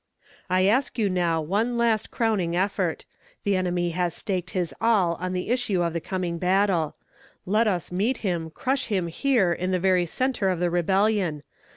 "I ask of you, now, one last crowning effort. The enemy has staked his all on the issue of the coming battle. Let us meet him, crush him here, in the very centre of the rebellion.